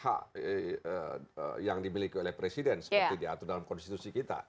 hak yang dimiliki oleh presiden seperti diatur dalam konstitusi kita